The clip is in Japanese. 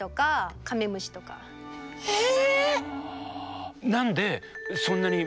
ええ！